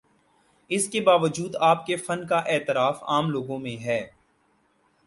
اس کے باوجود آپ کے فن کا اعتراف عام لوگوں میں ہے۔